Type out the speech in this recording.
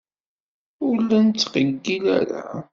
Ur la nettqeggil ara.